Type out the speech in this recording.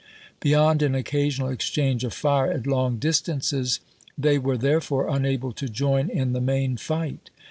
Be yond an occasional exchange of fire at long distances they were therefore unable to join in the main fight.